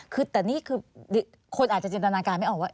คือแต่นี่คือคนอาจจะจินตนาการไม่ออกว่า